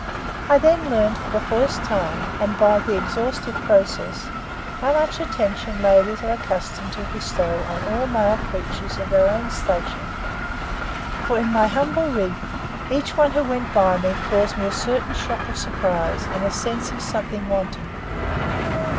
I then learned for the first time, and by the exhaustive process, how much attention ladies are accustomed to bestow on all male creatures of their own station; for, in my humble rig, each one who went by me caused me a certain shock of surprise and a sense of something wanting.